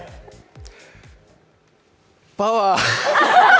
パワー！